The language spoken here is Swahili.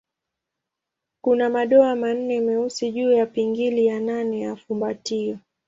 Kuna madoa manne meusi juu ya pingili ya nane ya fumbatio.